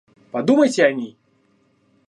Подумайте о ней!